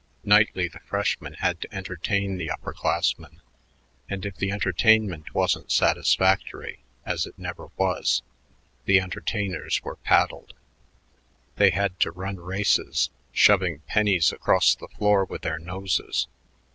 Nightly the freshmen had to entertain the upper classmen, and if the entertainment wasn't satisfactory, as it never was, the entertainers were paddled. They had to run races, shoving pennies across the floor with their noses.